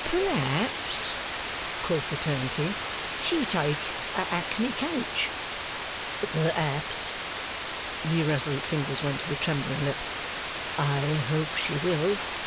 'P'raps,' quoth the turnkey, 'she'll take a ackney coach.' 'Perhaps.' The irresolute fingers went to the trembling lip. 'I hope she will.